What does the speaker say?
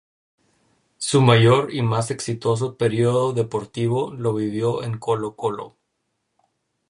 Su mayor y más exitoso período deportivo lo vivió en Colo-Colo.